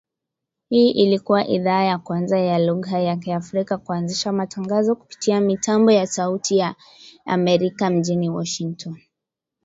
Hii ilikua idhaa ya kwanza ya lugha ya Kiafrika kuanzisha matangazo kupitia mitambo ya Sauti ya Amerika mjini Washington.